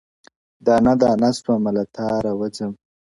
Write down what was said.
دانه دانه سومه له تاره وځم,